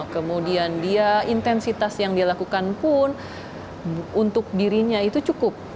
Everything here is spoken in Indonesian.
kemudian dia intensitas yang dia lakukan pun untuk dirinya itu cukup